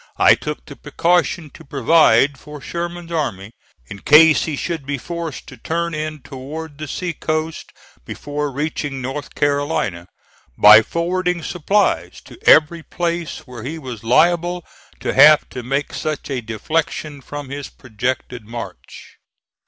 I took the precaution to provide for Sherman's army, in case he should be forced to turn in toward the sea coast before reaching North Carolina, by forwarding supplies to every place where he was liable to have to make such a deflection from his projected march.